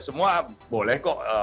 semua boleh kok